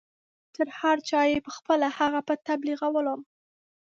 تر هر چا یې پخپله هغه په تبلیغولو.